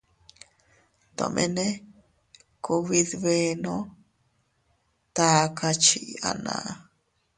Tomene kubidbenno taka chii anaa.